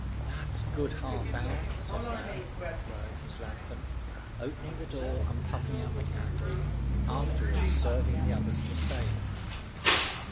"That's good half an hour," said Ram, lowering his lanthorn, opening the door, and puffing out the candle, afterwards serving the others the same.